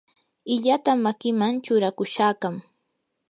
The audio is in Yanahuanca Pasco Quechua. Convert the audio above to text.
illata makiman churakushaqam.